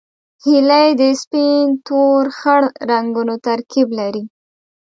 هیلۍ د سپین، تور، خړ رنګونو ترکیب لري